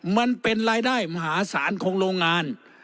มันเป็นรายได้มหาศาลของโรงงาน